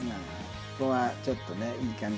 ここはちょっとねいい感じ。